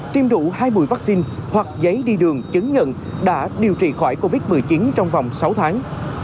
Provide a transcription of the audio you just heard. tiêm đủ hai mùi vaccine hoặc giấy đi đường chứng nhận đã điều trị khỏi covid một mươi chín trong vòng sáu tháng